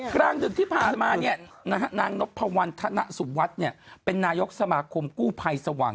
กลางดึงที่ผ่านมาเนี่ยนางปวันนถนสุมวัสส์เป็นนายกสมาคมกู้ภัยสว่าง